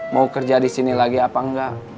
mau kerja disini lagi apa enggak